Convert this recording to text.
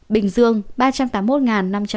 bình dương ba trăm tám mươi một năm trăm chín mươi chín